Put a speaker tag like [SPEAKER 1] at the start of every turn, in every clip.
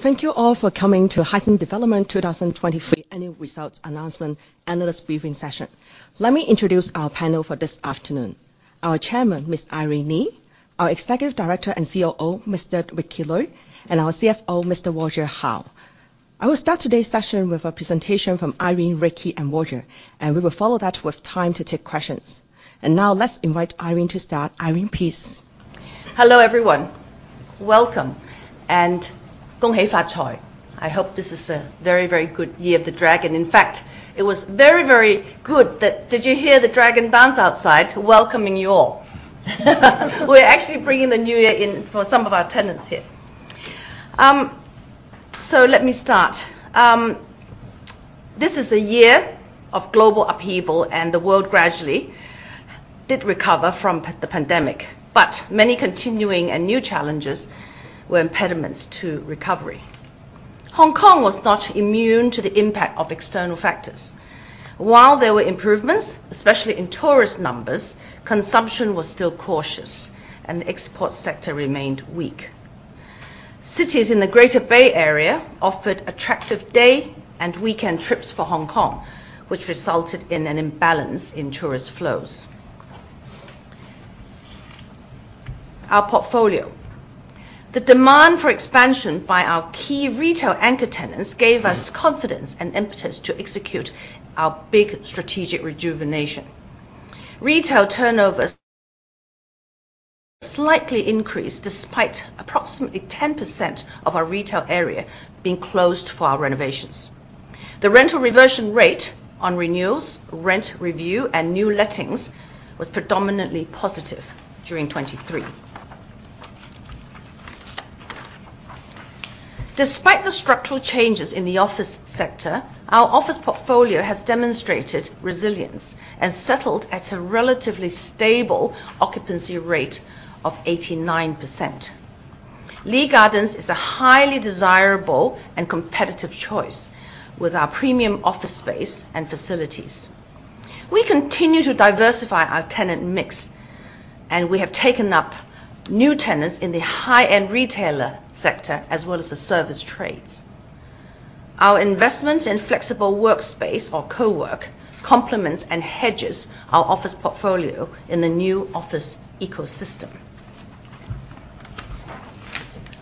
[SPEAKER 1] Thank you all for coming to Hysan Development 2023 annual results announcement, analyst briefing session. Let me introduce our panel for this afternoon. Our Chairman, Ms. Irene Lee, our Executive Director and COO, Mr. Ricky Lui, and our CFO, Mr. Roger Hao. I will start today's session with a presentation from Irene, Ricky, and Roger, and we will follow that with time to take questions. And now let's invite Irene to start. Irene, please.
[SPEAKER 2] Hello, everyone. Welcome, and I hope this is a very, very good year of the Dragon. In fact, it was very, very good that—Did you hear the dragon dance outside, welcoming you all? We're actually bringing the new year in for some of our tenants here. So let me start. This is a year of global upheaval, and the world gradually did recover from the pandemic, but many continuing and new challenges were impediments to recovery. Hong Kong was not immune to the impact of external factors. While there were improvements, especially in tourist numbers, consumption was still cautious, and the export sector remained weak. Cities in the Greater Bay Area offered attractive day and weekend trips for Hong Kong, which resulted in an imbalance in tourist flows. Our portfolio. The demand for expansion by our key retail anchor tenants gave us confidence and impetus to execute our big strategic rejuvenation. Retail turnovers slightly increased, despite approximately 10% of our retail area being closed for our renovations. The rental reversion rate on renewals, rent review, and new lettings was predominantly positive during 2023. Despite the structural changes in the office sector, our office portfolio has demonstrated resilience and settled at a relatively stable occupancy rate of 89%. Lee Gardens is a highly desirable and competitive choice with our premium office space and facilities. We continue to diversify our tenant mix, and we have taken up new tenants in the high-end retailer sector, as well as the service trades. Our investment in flexible workspace or co-work, complements and hedges our office portfolio in the new office ecosystem.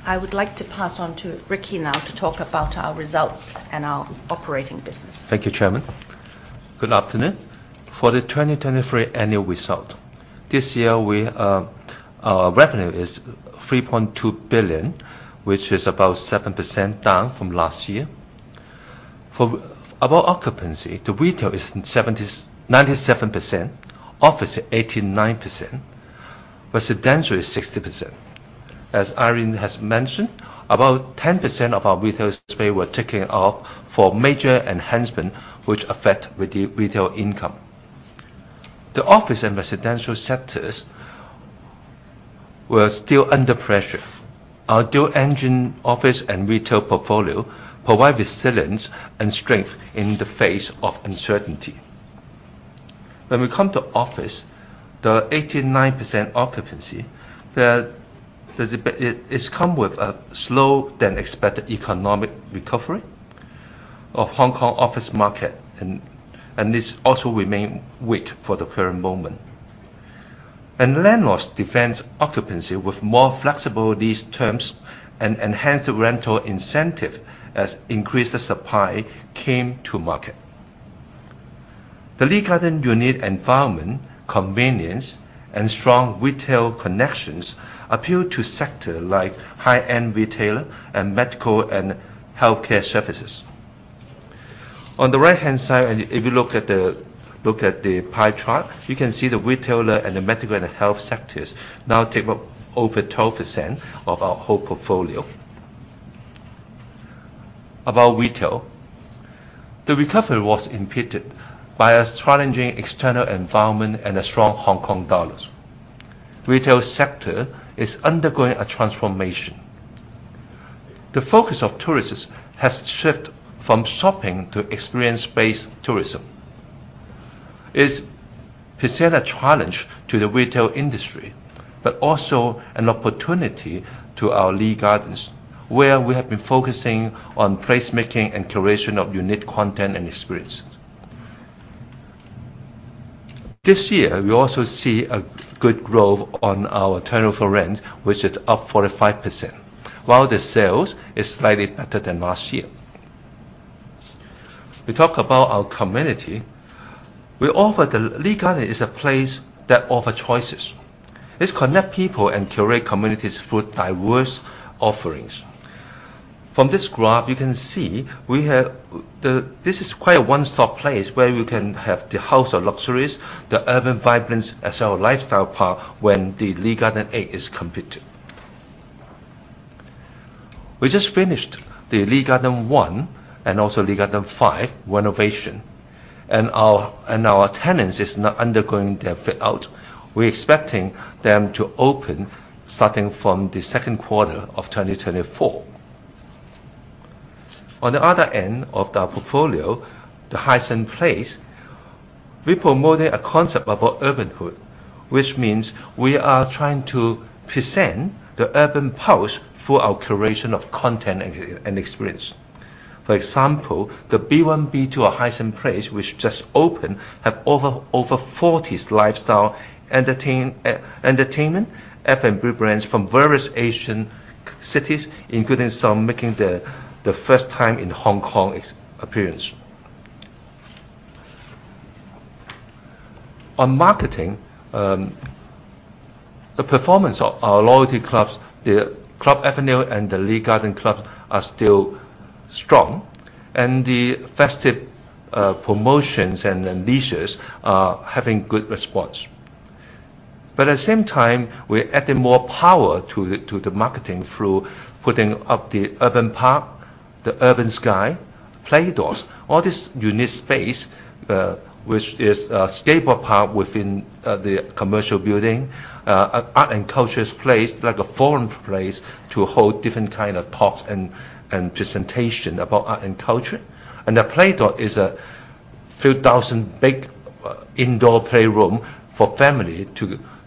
[SPEAKER 2] I would like to pass on to Ricky now to talk about our results and our operating business.
[SPEAKER 3] Thank you, Chairman. Good afternoon. For the 2023 annual result, this year, we, our revenue is 3.2 billion, which is about 7% down from last year. For about occupancy, the retail is ninety-seven percent, office at eighty-nine percent, residential is sixty percent. As Irene has mentioned, about 10% of our retail space were taken off for major enhancement, which affect retail income. The office and residential sectors were still under pressure. Our dual engine, office and retail portfolio provide resilience and strength in the face of uncertainty. When we come to office, the eighty-nine percent occupancy, it's come with a slower than expected economic recovery of Hong Kong office market and this also remain weak for the current moment. Landlords defend occupancy with more flexible lease terms and enhanced rental incentive as increased supply came to market. The Lee Gardens unique environment, convenience, and strong retail connections appeal to sector like high-end retailer and medical and healthcare services. On the right-hand side, and if you look at the pie chart, you can see the retailer and the medical and health sectors now take up over 12% of our whole portfolio. About retail, the recovery was impeded by a challenging external environment and a strong Hong Kong dollar. Retail sector is undergoing a transformation. The focus of tourists has shifted from shopping to experience-based tourism. It present a challenge to the retail industry, but also an opportunity to our Lee Gardens, where we have been focusing on placemaking and curation of unique content and experiences. This year, we also see a good growth on our turnover rent, which is up 45%, while the sales is slightly better than last year. We talk about our community. We offer the Lee Gardens is a place that offer choices. It connect people and curate communities through diverse offerings. From this graph, you can see we have the—this is quite a one-stop place where you can have the house of luxuries, the urban vibrance as our lifestyle park when the Lee Garden Eight is completed. We just finished the Lee Garden One and also Lee Garden Five renovation, and our tenants is now undergoing their fit out. We're expecting them to open starting from the second quarter of 2024—on the other end of the portfolio, the Hysan Place, we promoted a concept about Urbanhood, which means we are trying to present the urban pulse through our curation of content and experience. For example, the B1/B2 to our Hysan Place, which just opened, have over 40 lifestyle entertainment F&B brands from various Asian cities, including some making their first time in Hong Kong appearance. On marketing, the performance of our loyalty clubs, the Club Avenue and the Lee Gardens Club, are still strong, and the festive promotions and leisures are having good response. But at the same time, we're adding more power to the marketing through putting up the Urban Park, the Urban Sky, Playdot. All this unique space, which is a skate park within the commercial building. An art and culture place, like a forum place, to hold different kind of talks and presentation about art and culture. The Playdot is a few thousand big, indoor playroom for family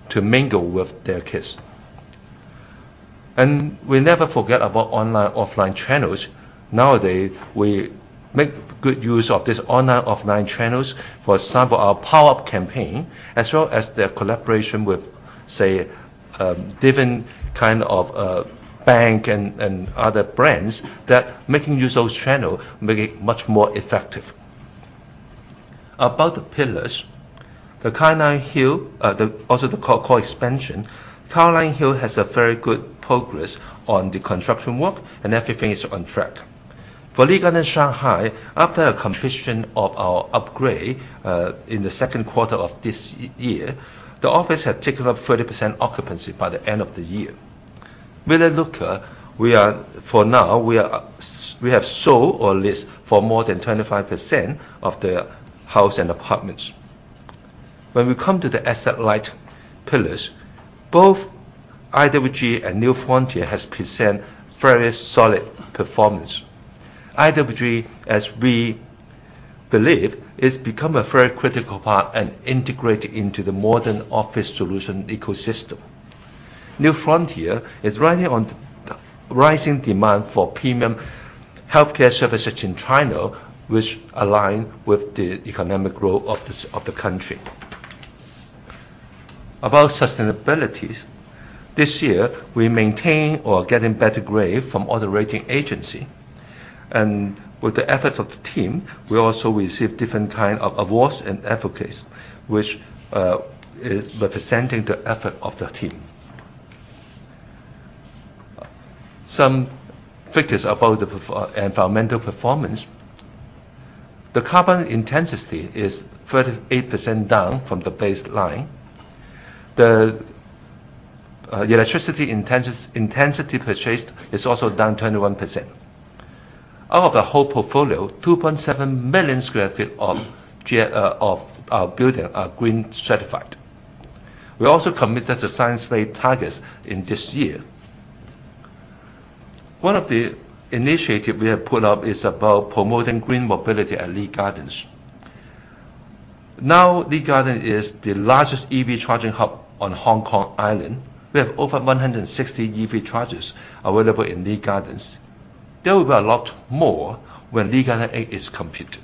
[SPEAKER 3] to mingle with their kids. We never forget about online, offline channels. Nowadays, we make good use of this online, offline channels. For example, our power-up campaign, as well as the collaboration with, say, different kind of bank and other brands that making use of channel, making it much more effective. About the pillars, the Caroline Hill, the also the core expansion. Caroline Hill has a very good progress on the construction work, and everything is on track. For Lee Gardens Shanghai, after the completion of our upgrade, in the second quarter of this year, the office had taken up 30% occupancy by the end of the year. VILLA LUCCA, we are, for now, we are – we have sold or leased for more than 25% of the house and apartments. When we come to the asset light pillars, both IWG and New Frontier has present very solid performance. IWG, as we believe, is become a very critical part and integrated into the modern office solution ecosystem. New Frontier is riding on the rising demand for premium healthcare services in China, which align with the economic growth of this, of the country. About sustainability, this year, we maintain or getting better grade from all the rating agency. With the efforts of the team, we also receive different kind of awards and accolades, which is representing the effort of the team. Some figures about the environmental performance. The carbon intensity is 38% down from the baseline. The electricity intensity purchased is also down 21%. Out of the whole portfolio, 2.7 million sq ft of our building are Green-certified. We also committed to Science Based Targets in this year. One of the initiative we have put up is about promoting green mobility at Lee Gardens. Now, Lee Gardens is the largest EV charging hub on Hong Kong Island. We have over 160 EV chargers available in Lee Gardens. There will be a lot more when Lee Garden Eight is completed.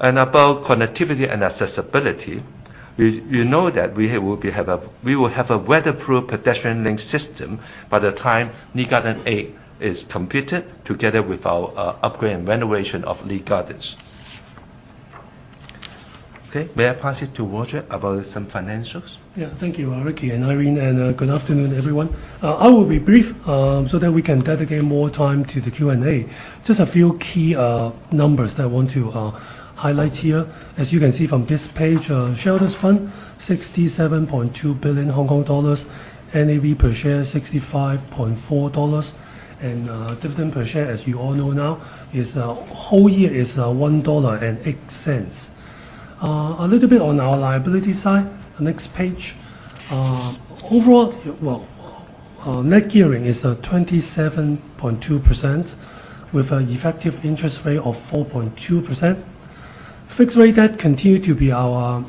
[SPEAKER 3] And about connectivity and accessibility, we know that we will have a weatherproof pedestrian link system by the time Lee Garden Eight is completed, together with our upgrade and renovation of Lee Gardens. Okay, may I pass it to Roger about some financials?
[SPEAKER 4] Yeah. Thank you, Ricky and Irene, and good afternoon, everyone. I will be brief, so that we can dedicate more time to the Q&A. Just a few key numbers that I want to highlight here. As you can see from this page, shareholders' funds, 67.2 billion Hong Kong dollars. NAV per share, 65.4 dollars. And dividend per share, as you all know now, is whole year is 1.08 dollar. A little bit on our liability side, next page. Overall, well, net gearing is 27.2%, with an effective interest rate of 4.2%. Fixed-rate debt continue to be our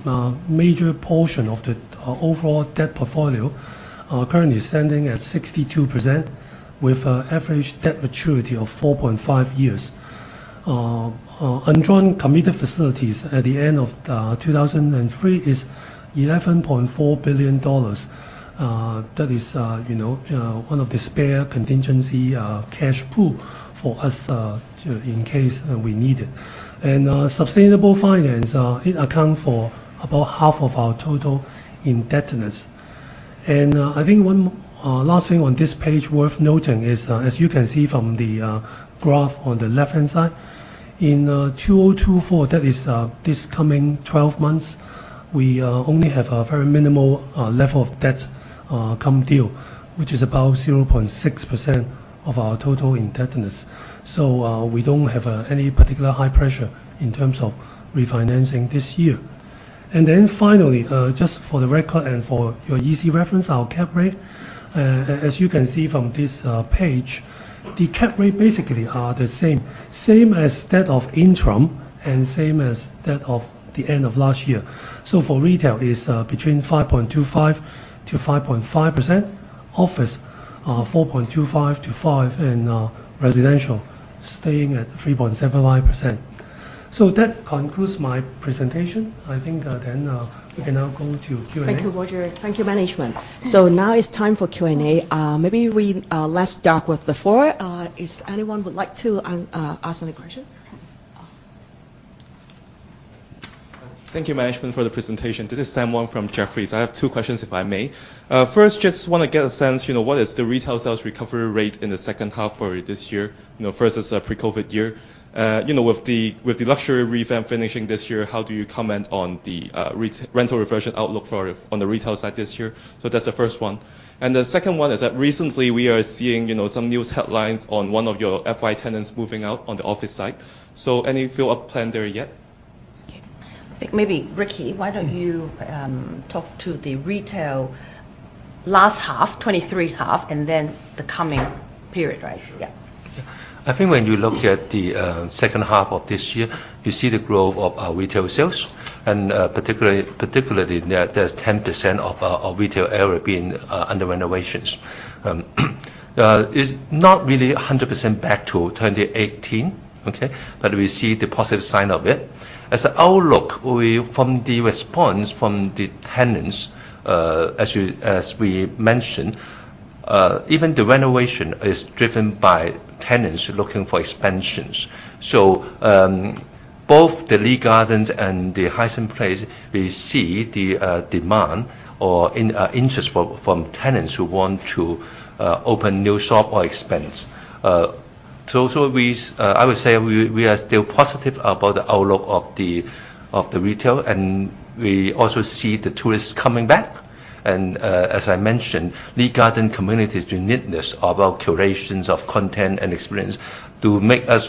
[SPEAKER 4] major portion of the our overall debt portfolio, currently standing at 62%, with average debt maturity of 4.5 years. Undrawn committed facilities at the end of 2023 is 11.4 billion dollars. That is, you know, one of the spare contingency cash pool for us to in case we need it. And sustainable finance it account for about half of our total indebtedness. And I think one last thing on this page worth noting is as you can see from the graph on the left-hand side, in 2024, that is this coming twelve months, we only have a very minimal level of debt come due, which is about 0.6% of our total indebtedness. So we don't have any particular high pressure in terms of refinancing this year. Then finally, just for the record and for your easy reference, our cap rate. As you can see from this page, the cap rate basically are the same, same as that of interim and same as that of the end of last year. So for retail, it's between 5.25%-5.5%. Office, 4.25%-5%, and residential staying at 3.75%. So that concludes my presentation. I think, then, we can now go to Q&A.
[SPEAKER 2] Thank you, Roger. Thank you, management. So now it's time for Q&A. Maybe we let's start with the floor. Is anyone would like to ask any question?
[SPEAKER 5] Thank you, management, for the presentation. This is Sam Wong from Jefferies. I have two questions, if I may. First, just want to get a sense, you know, what is the retail sales recovery rate in the second half for this year, you know, versus a pre-COVID year? You know, with the, with the luxury revamp finishing this year, how do you comment on the rental reversion outlook for, on the retail side this year? So that's the first one. And the second one is that recently we are seeing, you know, some news headlines on one of your FI tenants moving out on the office side. So any follow-up plan there yet?
[SPEAKER 2] Okay. I think maybe, Ricky, why don't you talk to the retail last half, 2023 half, and then the coming period, right? Yeah.
[SPEAKER 3] I think when you look at the second half of this year, you see the growth of our retail sales, and particularly there, there's 10% of our retail area being under renovations. It's not really 100% back to 2018, okay? But we see the positive sign of it. As an outlook, we—from the response from the tenants, as we mentioned, even the renovation is driven by tenants looking for expansions. So, both the Lee Gardens and the Hysan Place, we see the demand or interest from tenants who want to open new shop or expand. So, I would say, we are still positive about the outlook of the retail, and we also see the tourists coming back. As I mentioned, Lee Gardens community's uniqueness about curations of content and experience do make us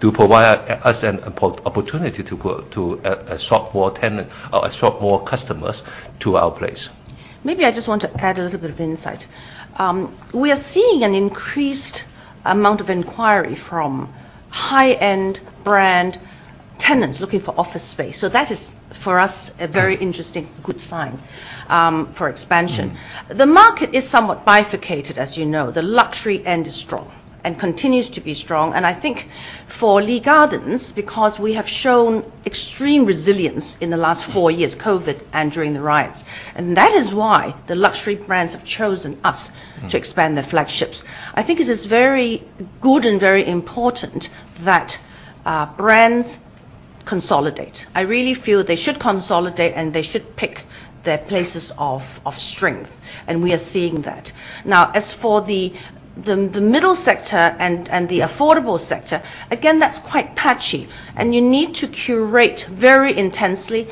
[SPEAKER 3] do provide us an opportunity to go to shop more customers to our place.
[SPEAKER 2] Maybe I just want to add a little bit of insight. We are seeing an increased amount of inquiry from high-end brand tenants looking for office space, so that is, for us, a very interesting, good sign, for expansion. The market is somewhat bifurcated, as you know. The luxury end is strong and continues to be strong. I think for Lee Gardens, because we have shown extreme resilience in the last four years, COVID and during the riots, and that is why the luxury brands have chosen us to expand their flagships. I think it is very good and very important that brands consolidate. I really feel they should consolidate, and they should pick their places of strength, and we are seeing that. Now, as for the middle sector and the affordable sector, again, that's quite patchy, and you need to curate very intensely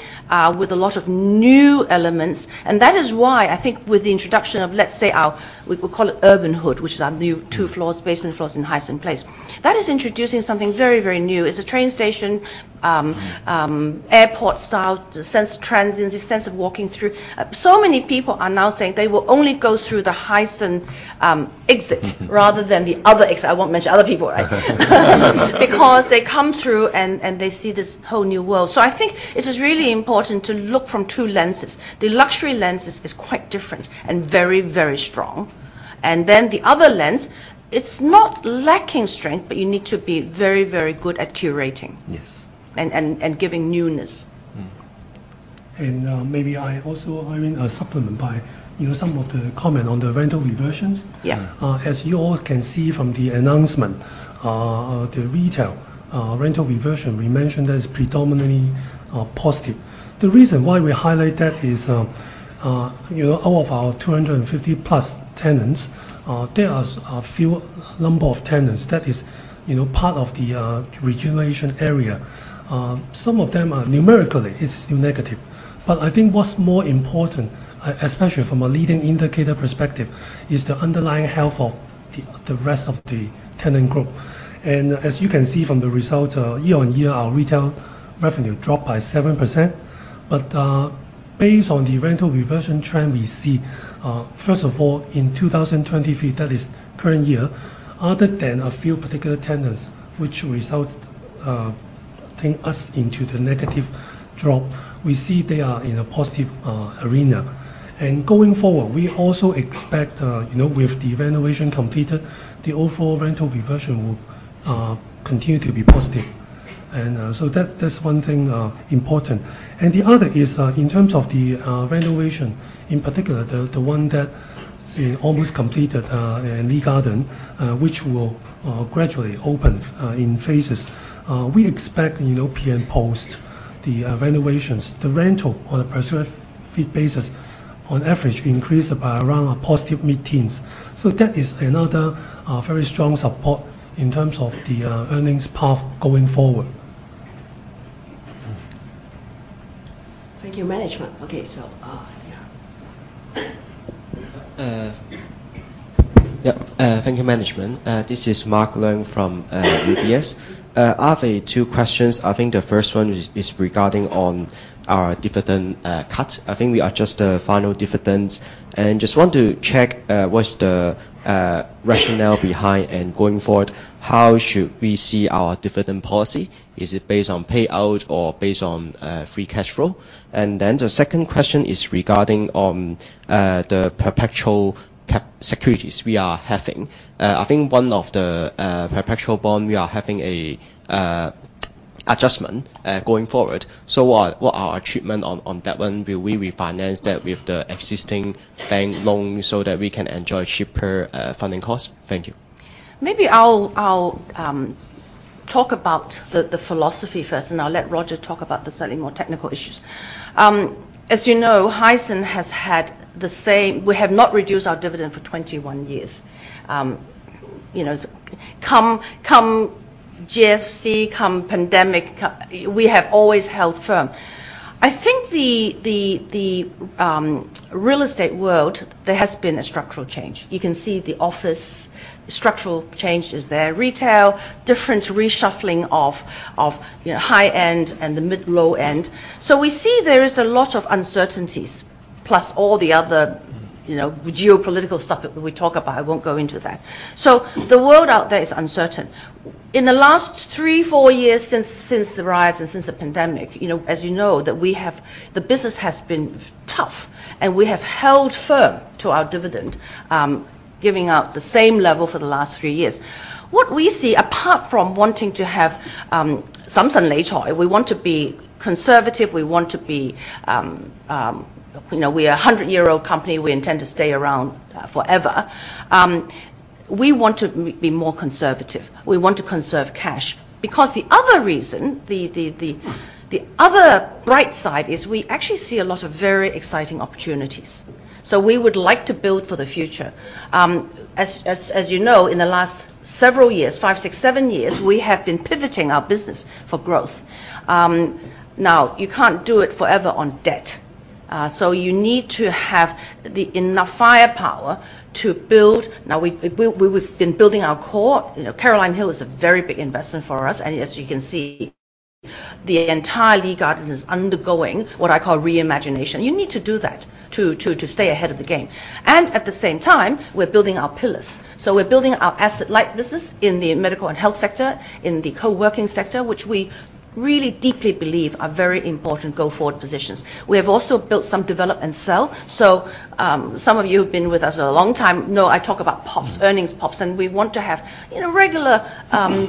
[SPEAKER 2] with a lot of new elements. And that is why I think with the introduction of, let's say, our, we call it Urbanhood, which is our new two floors, basement floors in Hysan Place, that is introducing something very, very new. It's a train station, airport style, the sense of transience, the sense of walking through. So many people are now saying they will only go through the Hysan Place exit—rather than the other exit. I won't mention other people, right? Because they come through, and, and they see this whole new world. So I think it is really important to look from two lenses. The luxury lenses is quite different and very, very strong. And then the other lens, it's not lacking strength, but you need to be very, very good at curating—
[SPEAKER 3] Yes
[SPEAKER 2] And giving newness.
[SPEAKER 4] Maybe I also, I mean, supplement by, you know, some of the comment on the rental reversions.
[SPEAKER 2] Yeah.
[SPEAKER 4] As you all can see from the announcement, the retail rental reversion we mentioned that is predominantly positive. The reason why we highlight that is, you know, all of our 250+ tenants, there are a few number of tenants that is, you know, part of the rejuvenation area. Some of them are numerically, it's negative. But I think what's more important, especially from a leading indicator perspective, is the underlying health of the rest of the tenant group. And as you can see from the result, year-on-year, our retail revenue dropped by 7%. Based on the rental reversion trend we see, first of all, in 2023, that is the current year, other than a few particular tenants which result take us into the negative drop, we see they are in a positive area. And going forward, we also expect, you know, with the renovation completed, the overall rental reversion will continue to be positive. And so that, that's one thing important. And the other is, in terms of the renovation, in particular, the one that is almost completed in Lee Gardens, which will gradually open in phases. We expect, you know, post the renovations, the rental on a per sq ft basis, on average, increase by around a positive mid-teens. So that is another very strong support in terms of the earnings path going forward.
[SPEAKER 1] Thank you, management. Okay, so, yeah.
[SPEAKER 6] Yep, thank you, management. This is Mark Leung from UBS. I have two questions. I think the first one is regarding on our dividend cut. I think we are just the final dividends, and just want to check what is the rationale behind, and going forward, how should we see our dividend policy? Is it based on payout or based on free cash flow? And then the second question is regarding on the perpetual securities we are having. I think one of the perpetual bond, we are having a adjustment going forward. So what are our treatment on that one? Will we refinance that with the existing bank loan so that we can enjoy cheaper funding costs? Thank you.
[SPEAKER 2] Maybe I'll talk about the philosophy first, and I'll let Roger talk about the slightly more technical issues. As you know, Hysan has had the same—we have not reduced our dividend for 21 years. You know, come GFC, come pandemic, we have always held firm. I think the real estate world, there has been a structural change. You can see the office structural change is there, retail, different reshuffling of, you know, high-end and the mid, low-end. So we see there is a lot of uncertainties, plus all the other, you know, geopolitical stuff that we talk about. I won't go into that. So the world out there is uncertain. In the last 3-4 years since the riots and since the pandemic, you know, as you know, that we have. The business has been tough, and we have held firm to our dividend, giving out the same level for the last 3 years. What we see, apart from wanting to have some sunny choice, we want to be conservative, we want to be—you know, we're a 100-year-old company. We intend to stay around forever. We want to be more conservative. We want to conserve cash. Because the other reason, the other bright side is we actually see a lot of very exciting opportunities, so we would like to build for the future. As you know, in the last several years, 5, 6, 7 years, we have been pivoting our business for growth. Now, you can't do it forever on debt, so you need to have enough firepower to build. Now, we've been building our core. You know, Caroline Hill is a very big investment for us, and as you can see, the entire Lee Gardens is undergoing what I call re-imagination. You need to do that to stay ahead of the game. And at the same time, we're building our pillars. So we're building our asset-light business in the medical and health sector, in the co-working sector, which we really deeply believe are very important go-forward positions. We have also built some develop-and-sell. So, some of you who have been with us a long time know I talk about pops, earnings pops, and we want to have, you know, regular,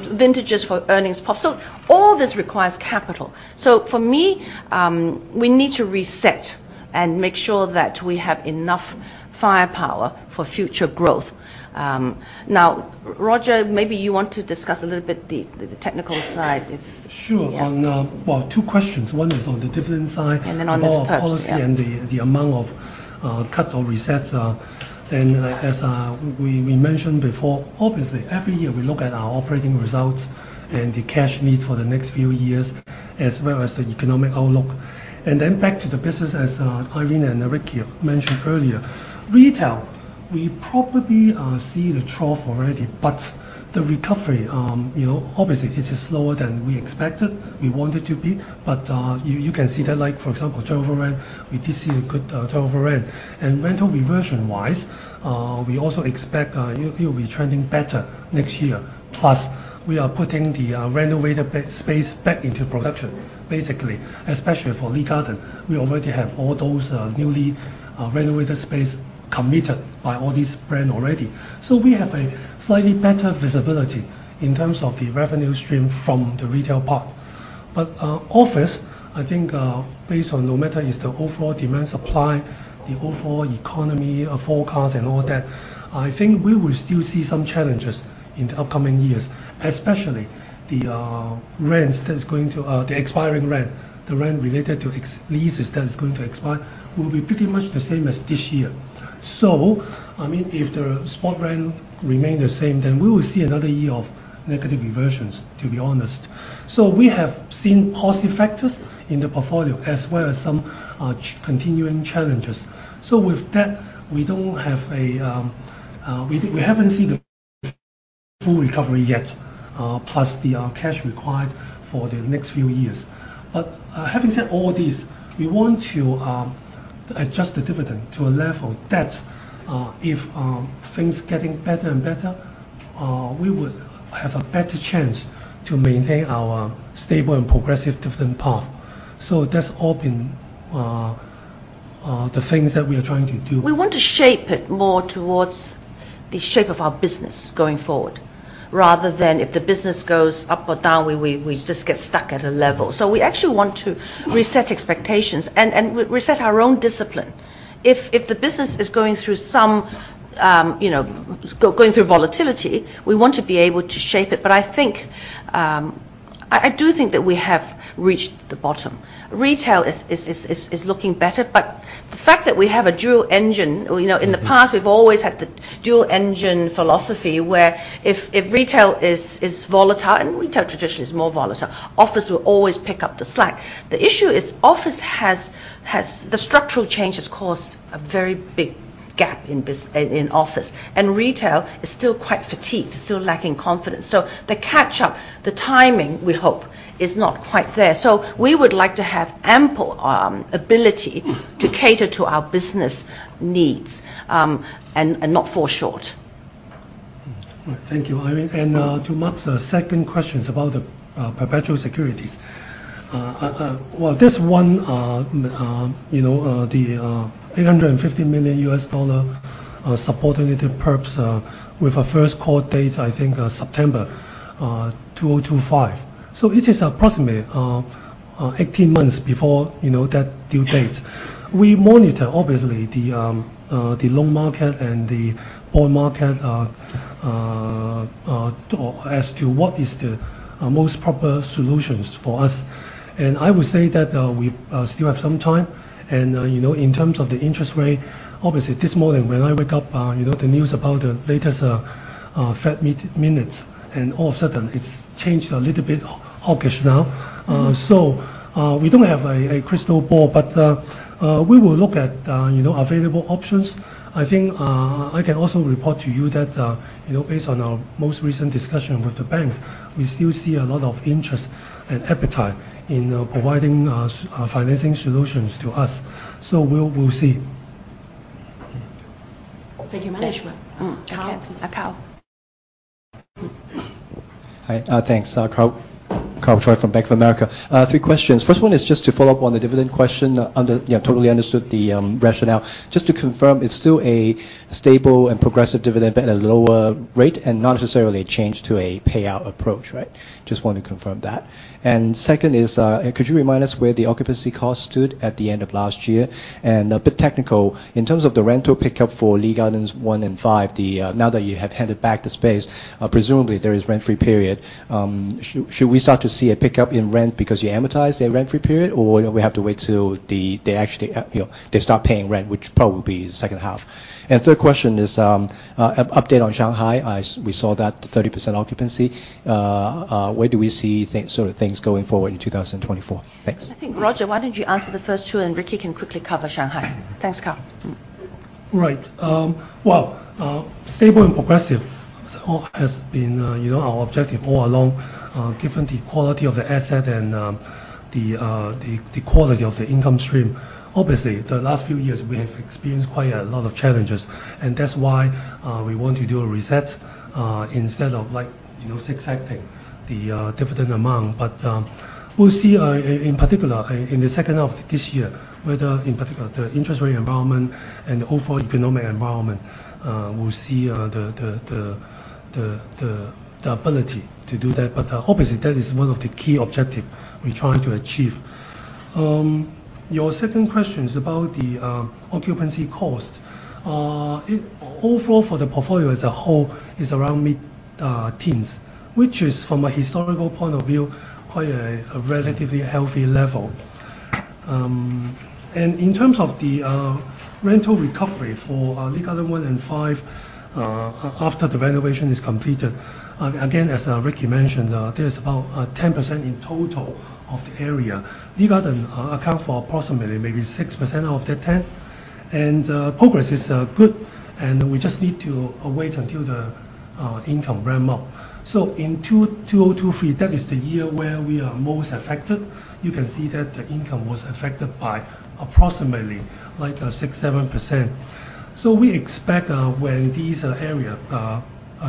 [SPEAKER 2] vintages for earnings pops. So all this requires capital. So for me, we need to reset and make sure that we have enough firepower for future growth. Now, Roger, maybe you want to discuss a little bit the technical side, if—
[SPEAKER 4] Sure.
[SPEAKER 2] Yeah.
[SPEAKER 4] Well, two questions. One is on the dividend side—
[SPEAKER 2] And then on the Perps, yeah
[SPEAKER 4] And our policy and the amount of cut or reset. And as we mentioned before, obviously, every year we look at our operating results and the cash need for the next few years, as well as the economic outlook. And then back to the business, as Irene and Ricky mentioned earlier, retail, we probably see the trough already, but the recovery, you know, obviously it is slower than we expected, we want it to be. But you can see that, like, for example, turnover rent, we did see a good turnover rent. And rental reversion-wise, we also expect it will be trending better next year. Plus, we are putting the renovated space back into production, basically, especially for Lee Garden. We already have all those newly renovated space committed by all these brand already. So we have a slightly better visibility in terms of the revenue stream from the retail part. But office, I think, based on no matter is the overall demand, supply, the overall economy, forecast and all that, I think we will still see some challenges in the upcoming years, especially the rents that's going to the expiring rent, the rent related to existing leases that is going to expire, will be pretty much the same as this year. So I mean, if the spot rent remain the same, then we will see another year of negative reversions, to be honest. So we have seen positive factors in the portfolio, as well as some continuing challenges. So with that, we haven't seen the full recovery yet, plus the cash required for the next few years. But having said all this, we want to adjust the dividend to a level that if things getting better and better, we would have a better chance to maintain our stable and progressive dividend path. So that's all been the things that we are trying to do.
[SPEAKER 2] We want to shape it more towards the shape of our business going forward, rather than if the business goes up or down, we just get stuck at a level. So we actually want to reset expectations and reset our own discipline. If the business is going through some, you know, going through volatility, we want to be able to shape it. But I think, I do think that we have reached the bottom. Retail is looking better, but the fact that we have a dual engine. You know, in the past, we've always had the dual engine philosophy, where if retail is volatile, and retail traditionally is more volatile, office will always pick up the slack. The issue is office has the structural change has caused a very big gap in business, in office, and retail is still quite fatigued, still lacking confidence. So the catch-up, the timing, we hope, is not quite there. So we would like to have ample ability to cater to our business needs, and not fall short.
[SPEAKER 4] Thank you, Irene. And, to Mark's, second question about the, perpetual securities. Well, this one, you know, the, $850 million subordinated perps, with a first call date, I think, September 2025. So it is approximately, 18 months before, you know, that due date. We monitor, obviously, the, the loan market and the bond market, as to what is the, most proper solutions for us, and I would say that, we, still have some time. And, you know, in terms of the interest rate, obviously, this morning when I wake up, you know, the news about the latest, Fed meeting minutes, and all of a sudden, it's changed a little bit hawkish now. So, we don't have a crystal ball, but we will look at, you know, available options. I think, I can also report to you that, you know, based on our most recent discussion with the banks, we still see a lot of interest and appetite in providing financing solutions to us. So we'll see.
[SPEAKER 2] Thank you, management. Karl, please. Uh, Karl?
[SPEAKER 7] Hi. Thanks. Karl, Karl Choi from Bank of America. Three questions. First one is just to follow up on the dividend question under—yeah, totally understood the rationale. Just to confirm, it's still a stable and progressive dividend, but at a lower rate and not necessarily a change to a payout approach, right? Just want to confirm that. And second is, could you remind us where the occupancy cost stood at the end of last year? And a bit technical, in terms of the rental pickup for Lee Gardens One and Five, the now that you have handed back the space, presumably there is rent-free period. Should—should we start to see a pickup in rent because you amortize a rent-free period, or do we have to wait till they actually, you know, they start paying rent, which probably will be second half? And third question is, update on Shanghai. We saw that 30% occupancy. Where do we see things, sort of, going forward in 2024? Thanks.
[SPEAKER 2] I think, Roger, why don't you answer the first two, and Ricky can quickly cover Shanghai? Thanks, Karl.
[SPEAKER 4] Right. Well, stable and progressive has been, you know, our objective all along, given the quality of the asset and the quality of the income stream. Obviously, the last few years, we have experienced quite a lot of challenges, and that's why we want to do a reset, instead of like, you know, accepting the dividend amount. But, we'll see, in particular, in the second half of this year, whether in particular, the interest rate environment and the overall economic environment, we'll see the ability to do that. But, obviously, that is one of the key objective we're trying to achieve. Your second question is about the occupancy cost. It, overall, for the portfolio as a whole is around mid-teens, which is, from a historical point of view, quite a relatively healthy level. And in terms of the rental recovery for Lee Garden One and Five, after the renovation is completed, again, as Ricky mentioned, there is about 10% in total of the area. Lee Gardens account for approximately maybe 6% of that 10, and progress is good, and we just need to wait until the income ramp up. So in 2023, that is the year where we are most affected. You can see that the income was affected by approximately like 6%-7%. So we expect, when these area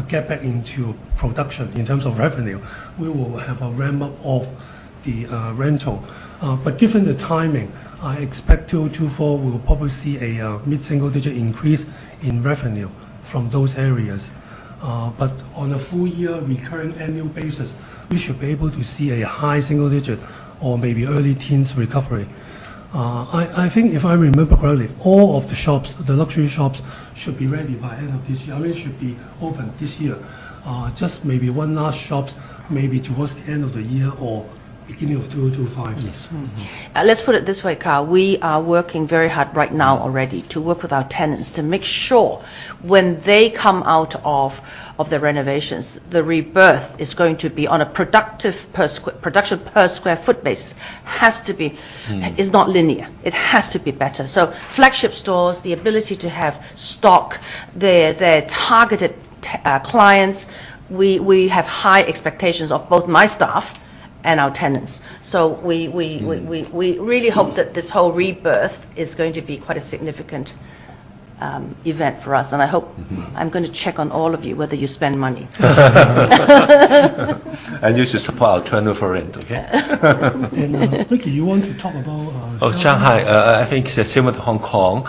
[SPEAKER 4] get back into production in terms of revenue, we will have a ramp-up of the rental. But given the timing, I expect 2024, we will probably see a mid-single-digit increase in revenue from those areas. But on a full year recurring annual basis, we should be able to see a high single-digit or maybe early teens recovery. I think, if I remember correctly, all of the shops, the luxury shops, should be ready by end of this year. I mean, it should be open this year, just maybe one last shops, maybe towards the end of the year or beginning of 2025.
[SPEAKER 2] Yes. Let's put it this way, Karl. We are working very hard right now already to work with our tenants to make sure when they come out of the renovations, the rebirth is going to be on a productive production per square foot basis. Has to be—it's not linear. It has to be better. So flagship stores, the ability to have stock, their targeted clients, we have high expectations of both my staff and our tenants. So we really hope that this whole rebirth is going to be quite a significant event for us. And I hope I'm gonna check on all of you, whether you spend money.
[SPEAKER 3] You should support our turnover rent, okay?
[SPEAKER 4] Ricky, you want to talk about Shanghai?
[SPEAKER 3] Oh, Shanghai, I think it's similar to Hong Kong.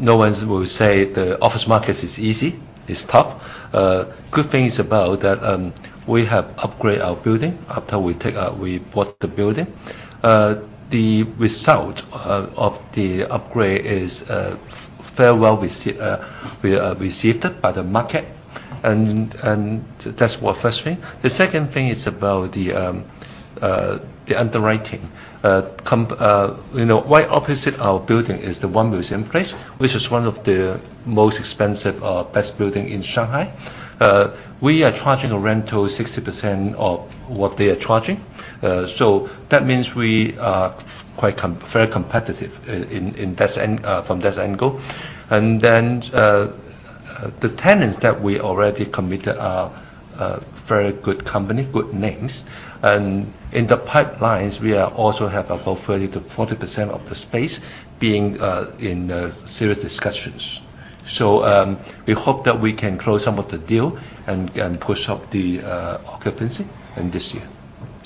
[SPEAKER 3] No one will say the office market is easy. It's tough. Good thing is about that, we have upgraded our building after we take, we bought the building. The result of the upgrade is very well received by the market, and that's what first thing. The second thing is about the underwriting. Comp, you know, right opposite our building is the One Museum Place, which is one of the most expensive, best building in Shanghai. We are charging a rental 60% of what they are charging, so that means we are quite very competitive, in that end, from that angle. And then the tenants that we already committed are very good company, good names. And in the pipelines, we are also have about 30%-40% of the space being in serious discussions. So, we hope that we can close some of the deal and push up the occupancy in this year.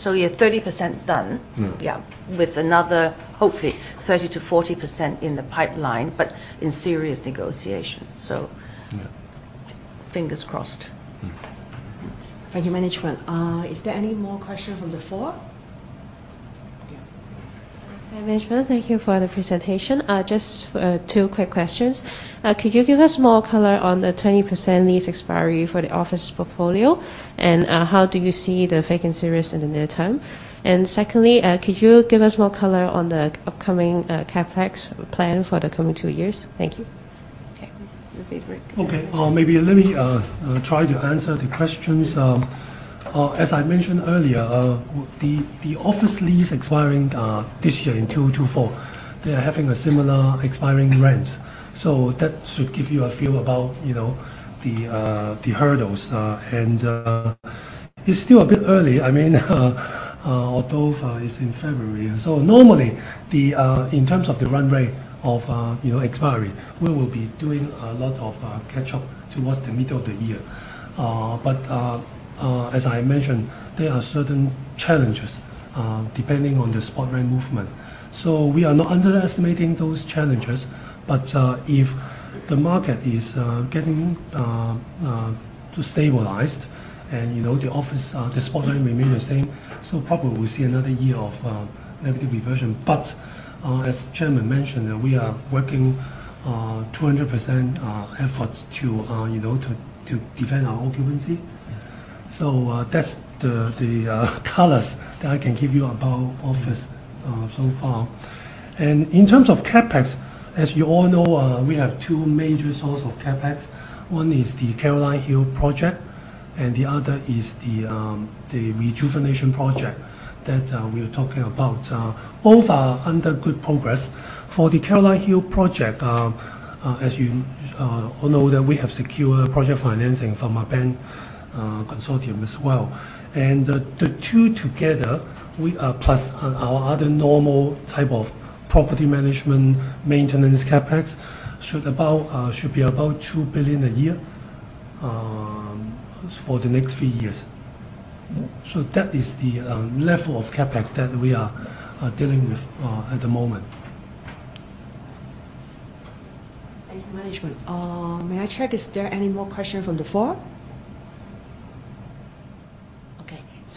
[SPEAKER 2] You have 30% done? Yeah. With another, hopefully, 30%-40% in the pipeline, but in serious negotiations, so-
[SPEAKER 4] Yeah.
[SPEAKER 2] Fingers crossed.
[SPEAKER 1] Thank you, management. Is there any more questions from the floor? Yeah.
[SPEAKER 8] Hi, management. Thank you for the presentation. Just, two quick questions. Could you give us more color on the 20% lease expiry for the office portfolio? And, how do you see the vacancy rates in the near term? And secondly, could you give us more color on the upcoming, CapEx plan for the coming two years? Thank you.
[SPEAKER 2] Okay, that'd be great.
[SPEAKER 4] Okay. Maybe let me try to answer the questions. As I mentioned earlier, the office lease expiring this year in 2024. They are having a similar expiring rent, so that should give you a feel about, you know, the hurdles. It's still a bit early. I mean, although it's in February. Normally, in terms of the runway of, you know, expiry, we will be doing a lot of catch-up towards the middle of the year. As I mentioned, there are certain challenges depending on the spot rent movement. So we are not underestimating those challenges, but if the market is getting to stabilized and, you know, the office, the spot rent remain the same, so probably we'll see another year of negative reversion. But as Chairman mentioned, we are working 200% efforts to, you know, to, to defend our occupancy. So that's the, the colors that I can give you about office so far. And in terms of CapEx, as you all know, we have two major source of CapEx. One is the Caroline Hill project, and the other is the, the rejuvenation project that we're talking about. Both are under good progress. For the Caroline Hill project, as you all know that we have secured project financing from a bank consortium as well. And the two together plus our other normal type of property management, maintenance CapEx should be about 2 billion a year for the next few years. So that is the level of CapEx that we are dealing with at the moment.
[SPEAKER 1] Thank you, management. May I check, is there any more questions from the floor?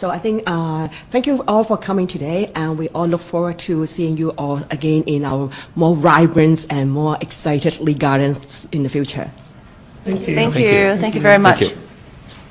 [SPEAKER 1] Okay. So I think, thank you all for coming today, and we all look forward to seeing you all again in our more vibrant and more excited Lee Gardens in the future.
[SPEAKER 4] Thank you.
[SPEAKER 2] Thank you. Thank you very much.
[SPEAKER 3] Thank you.